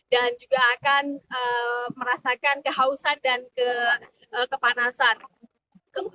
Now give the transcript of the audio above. dan juga akan merasakan kehausan dan kekecewaan dan juga akan merasakan kekecewaan dan kekecewaan